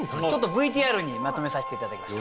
ＶＴＲにまとめさせて頂きました。